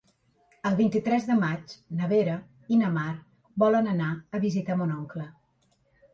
El vint-i-tres de maig na Vera i na Mar volen anar a visitar mon oncle.